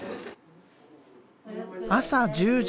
朝１０時。